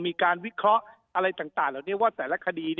มีการวิเคราะห์อะไรต่างเหล่านี้ว่าแต่ละคดี